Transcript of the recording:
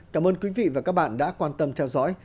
cảm ơn quý vị và các bạn đã quan tâm theo dõi